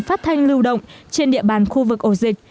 phát thanh lưu động trên địa bàn khu vực ổ dịch